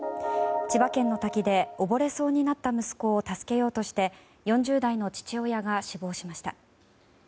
千葉県の滝で溺れそうになった息子を助けようとして４０代の父親が死亡しました。